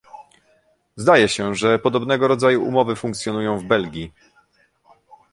Zdaje się, że podobnego rodzaju umowy funkcjonują w Belgii